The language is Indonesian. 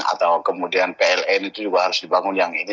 atau kemudian pln itu juga harus dibangun yang ini